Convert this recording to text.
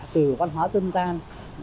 từ văn hóa dân gian